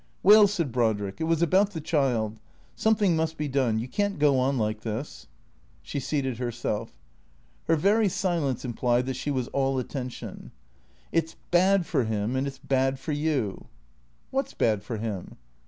" Well," said Brodrick, " it was about the child. Something must be done. You can't go on like this." She seated herself. Her very silence implied that she was all attention. " It 's bad for him and it 's bad for you." « What 's bad for him